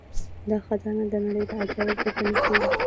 دا خزانه د نړۍ له عجايبو ګڼل کیږي